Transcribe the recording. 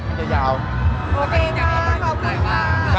โอเคจ๊ะขอบคุณมาก